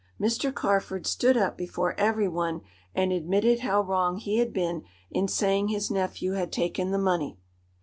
Mr. Carford stood up before everyone and admitted how wrong he had been in saying his nephew had taken the money.